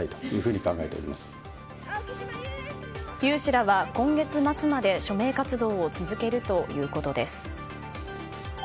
有志らは今月末まで署名活動を続けるということです。